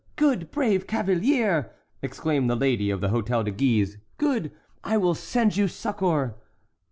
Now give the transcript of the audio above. good! brave cavalier!" exclaimed the lady of the Hôtel de Guise, "good! I will send you succor."